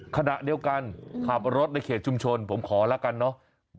ขณะเดียวกันขับรถในเขตชุมชนผมขอแล้วกันเนาะ